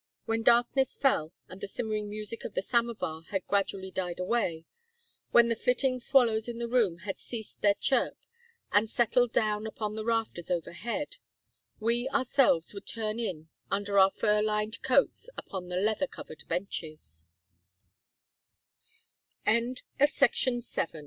When darkness fell, and the simmering music of the samovar had gradually died away; when the flitting swallows in the room had ceased their chirp, and settled down upon the rafters overhead, we ourselves would turn in under our fur lined coats upon the leather covered benc